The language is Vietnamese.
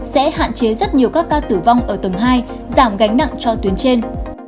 sẽ hạn chế rất nhiều các ca tử vong ở tầng hai giảm gánh nặng cho tuyến trên